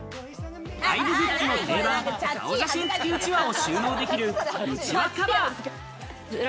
ライブグッズの定番、顔写真付きうちわを収納できるうちわカバー。